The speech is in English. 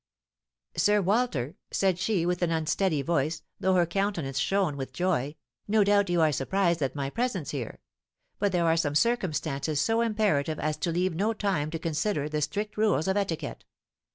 "'Sir Walter,' said she, with an unsteady voice, though her countenance shone with joy, 'no doubt you are surprised at my presence here; but there are some circumstances so imperative as to leave no time to consider the strict rules of etiquette.